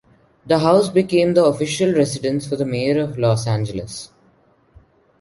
The house became the official residence for the mayor of Los Angeles.